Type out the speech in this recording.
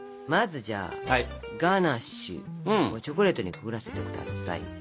まずじゃあガナッシュをチョコレートにくぐらせて下さい。